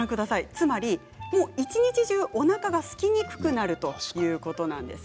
つまりもう一日中おなかがすきにくくなるということなんです。